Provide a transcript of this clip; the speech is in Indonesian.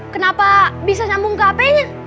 kenapa bisa sambung ke hpnya